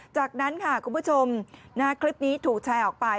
จากนั้นค่ะคุณผู้ชมคลิปนี้ถูกแชร์ออกไป